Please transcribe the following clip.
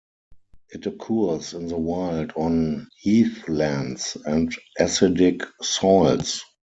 It occurs in the wild on heathlands and acidic soils.